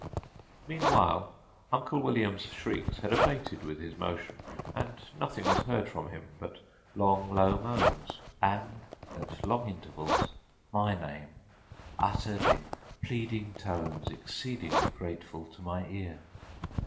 "Meantime Uncle William's shrieks had abated with his motion, and nothing was heard from him but long, low moans, and at long intervals my name, uttered in pleading tones exceedingly grateful to my ear.